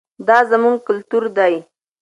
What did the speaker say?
دا زموږ کلتور دی.